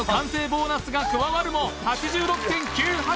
ボーナスが加わるも８６．９８８